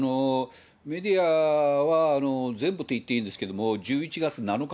メディアは、全部と言っていいんですけれども、１１月７日